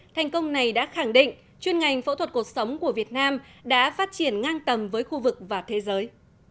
thành công này đã khẳng định chuyên ngành phẫu thuật cuộc sống của việt nam đã phát triển ngang tầm với khu vực và thế giới